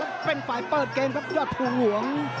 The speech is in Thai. กาดเกมสีแดงเดินแบ่งมูธรุด้วย